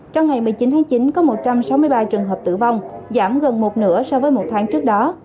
trong ngày một mươi chín tháng chín có một trăm sáu mươi ba trường hợp tử vong giảm gần một nửa so với một tháng trước đó